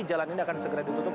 jalan ini akan segera ditutup